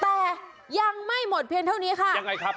แต่ยังไม่หมดเพียงเท่านี้ค่ะยังไงครับ